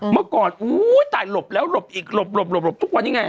เมื่อก่อนอุ้ยตายหลบแล้วหลบอีกหลบหลบหลบทุกวันนี้ไง